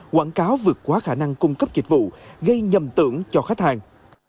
quảng cáo vượt quá khả năng cung cấp dịch vụ gây nhầm tưởng cho khách hàng